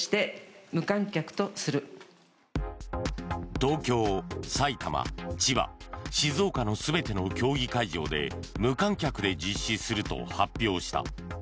東京、埼玉、千葉、静岡の全ての競技会場で無観客で実施すると発表した。